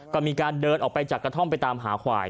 ก็มีการเดินออกไปจากกระท่อมไปตามหาควาย